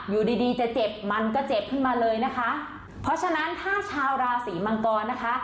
อยู่ดีดีจะเจ็บมันก็เจ็บขึ้นมาเลยนะคะเพราะฉะนั้นถ้าชาวราศีมังกรนะคะ